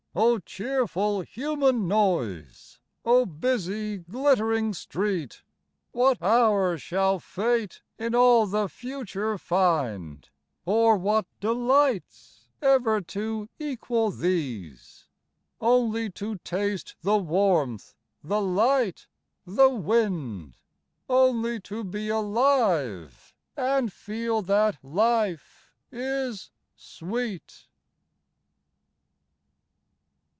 O cheerful human noise, O busy glittering street! What hour shall Fate in all the future find, Or what delights, ever to equal these: Only to taste the warmth, the light, the wind, Only to be alive, and feel that life is sweet?